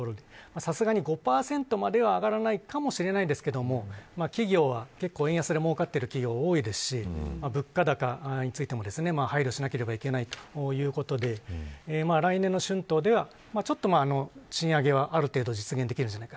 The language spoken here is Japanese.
さすがに５％までは上がらないかもしれないですが企業は結構、円安で儲かってる企業が多いですし物価高についても配慮しなければいけないということで来年の春闘では賃上げはある程度実現できるんじゃないか。